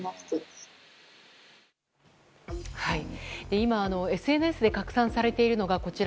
今、ＳＮＳで拡散されているのがこちら。